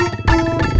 gimana mau diancam